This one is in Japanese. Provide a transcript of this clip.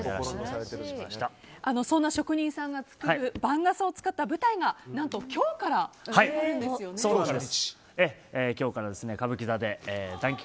そんな職人さんが作る番傘を使った舞台が何と今日から始まるんですよね。